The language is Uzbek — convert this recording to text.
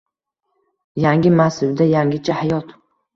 Yangi massivda yangicha hayot